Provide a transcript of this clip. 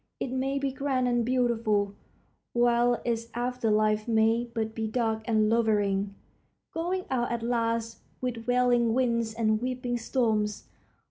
It may be grand and beautiful, while its after life may but be dark and lowering, going out at last with wailing winds and weeping storms.